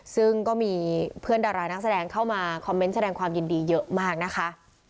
ซึ่งก็มีเพื่อนดารานักแสดงเข้ามาคอมเมนต์แสดงความยินดีเยอะมากนะคะ